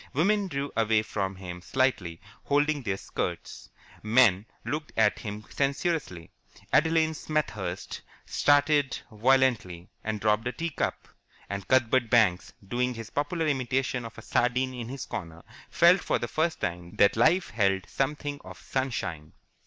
Women drew away from him slightly, holding their skirts. Men looked at him censoriously. Adeline Smethurst started violently, and dropped a tea cup. And Cuthbert Banks, doing his popular imitation of a sardine in his corner, felt for the first time that life held something of sunshine.